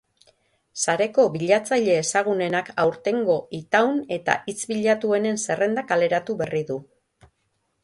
Sareko bilatzaile ezagunenak aurtengo itaun eta hitz bilatuenen zerrenda kaleratu berri du.